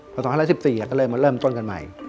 เพราะตอน๒๐๑๔เริ่มต้นกันใหม่